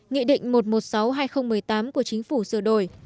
nghị định một trăm một mươi sáu hai nghìn một mươi tám của chính phủ sửa đổi